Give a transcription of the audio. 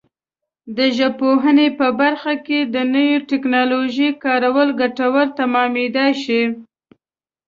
د ژبپوهنې په برخه کې د نویو ټکنالوژیو کارول ګټور تمامېدای شي.